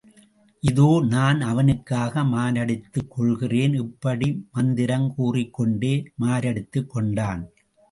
இதோ நான் அவனுக்காக மாரடித்துக் கொள்ளுகிறேன். இப்படி மந்திரம் கூறிக்கொண்டே மாரடித்துக் கொண்டான்.